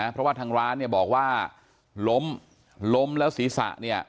เพราะทางร้านบอกว่าล้มแล้วศีรษะ